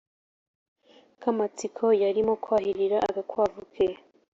kamatsiko yarimo kwahirira agakwavu ke.